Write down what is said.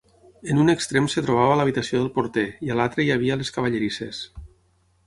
En un extrem es trobava l'habitació del porter i a l'altre hi havia les cavallerisses.